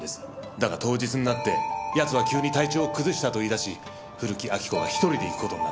だが当日になって奴は急に体調を崩したと言い出し古木亜木子が１人で行く事になった。